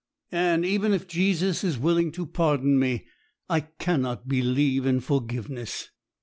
Anne, even if Jesus is willing to pardon me, I cannot believe in forgiveness.'